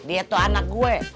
itu anak gue